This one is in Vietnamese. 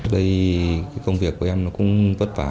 đây công việc của em cũng vất vả